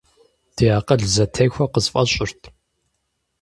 Ди акъыл зэтехуэ къысфӀэщӀырт.